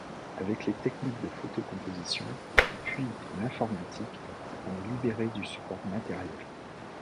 Avec les techniques de photocomposition, puis l’informatique, on est libéré du support matériel.